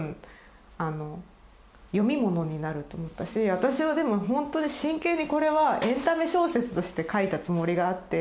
私はでもほんとに真剣にこれはエンタメ小説として書いたつもりがあって。